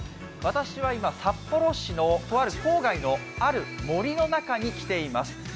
私は今、札幌市のとある郊外のある森の中にきています。